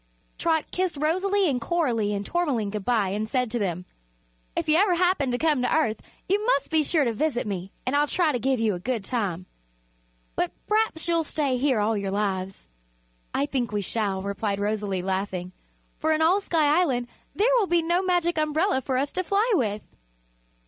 Trot kissed Rosalie and Coralie and Tourmaline good bye and said to them: "If you ever happen to come to Earth you must be sure to visit me and I'll try to give you a good time. But p'raps you'll stay here all your lives." "I think we shall," replied Rosalie, laughing, "for in all Sky Island there will be no Magic Umbrella for us to fly with."